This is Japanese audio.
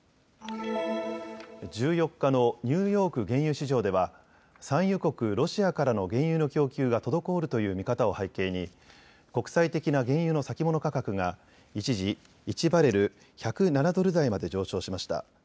１４日のニューヨーク原油市場では産油国ロシアからの原油の供給が滞るという見方を背景に国際的な原油の先物価格が一時１バレル１０７ドル台まで上昇しました。